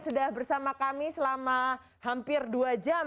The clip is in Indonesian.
sudah bersama kami selama hampir dua jam